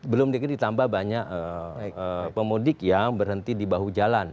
belum dikit ditambah banyak pemudik yang berhenti di bahu jalan